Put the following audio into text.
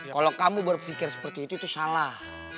kalau kamu berpikir seperti itu itu salah